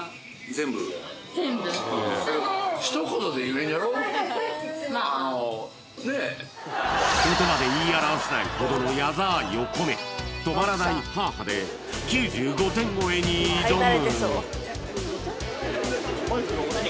うん言葉で言い表せないほどの矢沢愛を込め「止まらないＨａＨａ」で９５点超えに挑む！